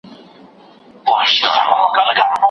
د کباب هره ټوته د زهرو جام وو